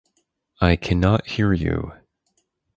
I can not hear you.